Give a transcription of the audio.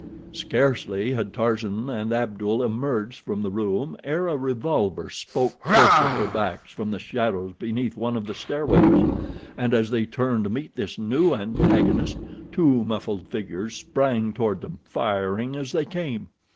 Scarcely had Tarzan and Abdul emerged from the room ere a revolver spoke close at their backs from the shadows beneath one of the stairways, and as they turned to meet this new antagonist, two muffled figures sprang toward them, firing as they came.